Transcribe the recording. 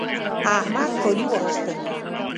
احمد کالي واخيستل